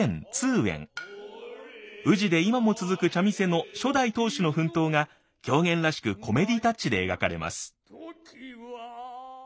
宇治で今も続く茶店の初代当主の奮闘が狂言らしくコメディータッチで描かれます。